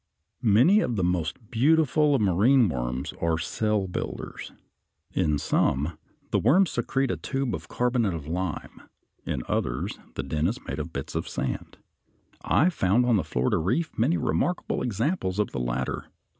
Many of the most beautiful of the marine worms are cell builders (Fig. 77). In some the worms secrete a tube of carbonate of lime. In others the den is made of bits of sand. I found on the Florida Reef many remarkable examples of the latter.